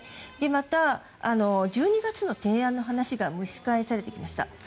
また、１２月の提案の話が蒸し返されていました。